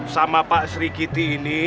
sama pak sri kiti ini